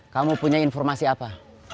kamu punya informasi apa